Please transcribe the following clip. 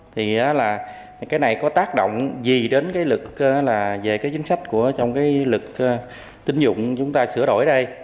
thì là cái này có tác động gì đến cái lực là về cái chính sách trong cái lực tín dụng chúng ta sửa đổi đây